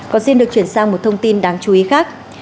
còn xin được chuyển sang một thông tin đáng chú ý khác